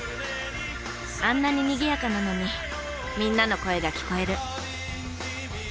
あんなに賑やかなのにみんなの声が聞こえる。